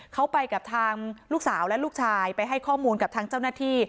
เขาไปกับทางลูกสาวและลูกชายไปให้ข้อมูลกับทางเจ้าหน้าที่